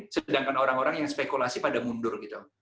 sedangkan orang orang yang spekulasi pada mundur gitu